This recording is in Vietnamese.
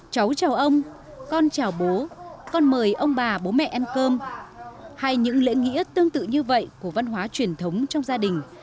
cháu chào ông con chào bố con mời ông bà bố mẹ ăn cơm hay những lễ nghĩa tương tự như vậy của văn hóa truyền thống trong gia đình